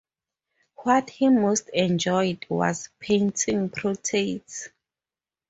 What he most enjoyed was painting portraits.